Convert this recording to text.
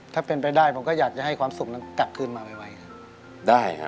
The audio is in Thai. ถ้าเป็นไปได้ผมก็อยากจะให้ความสุขนั้นกลับคืนมาไวครับได้ครับ